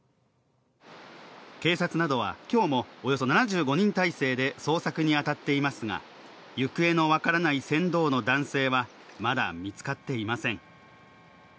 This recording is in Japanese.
警察などは今日もおよそ７５人態勢で捜索に当たっていますが行方の分からない船頭の男性はまだ見つかっていません。